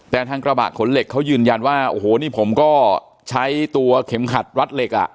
แต่ทางกระบะขนเหล็กเขายืนยันว่าโอ้โหนี่ผมก็ใช้ตัวเข็มขัดรัดเหล็กอ่ะ